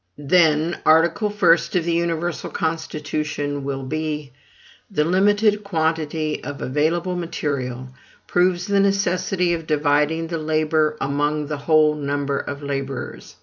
Then, article first of the universal constitution will be: "The limited quantity of available material proves the necessity of dividing the labor among the whole number of laborers.